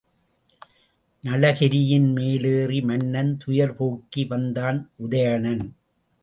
நளகிரியின் மேலேறி மன்னன் துயர்போக்கி வந்தான் உதயணன்.